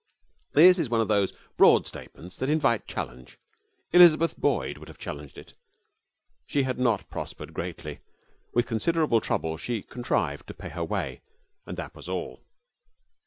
This is one of those broad statements that invite challenge. Elizabeth Boyd would have challenged it. She had not prospered greatly. With considerable trouble she contrived to pay her way, and that was all.